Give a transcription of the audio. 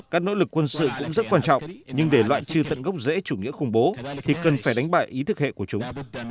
các nỗ lực quân sự cũng rất quan trọng nhưng để loại trừ tận gốc dễ chủ nghĩa khủng bố thì cần phải đánh bại ý thức hệ của chúng